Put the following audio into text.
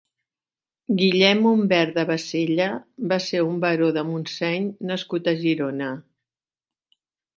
Guillem Umbert de Basella va ser un baró de Montseny nascut a Girona.